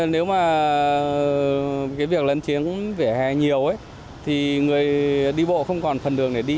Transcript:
nếu mà cái việc lấn chiếm vỉa hè nhiều thì người đi bộ không còn phần đường để đi